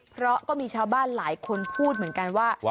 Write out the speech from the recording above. เพราะก็มีชาวบ้านหลายคนพูดเหมือนกันว่า